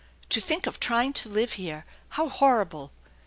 To think of trying to live here ! How horrible